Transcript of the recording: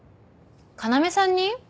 要さんに？